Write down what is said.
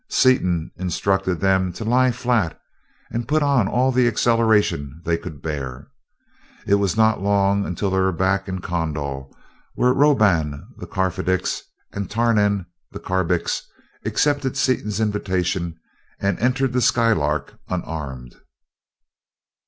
Seaton instructed them to lie flat, and put on all the acceleration they could bear. It was not long until they were back in Kondal, where Roban, the Karfedix, and Tarnan, the Karbix, accepted Seaton's invitation and entered the Skylark, unarmed.